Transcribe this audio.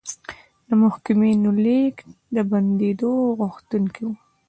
د محکومینو لېږد د بندېدو غوښتونکي وو.